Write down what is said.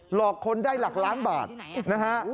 หลอกคนได้หลักล้านบาทนะฮะ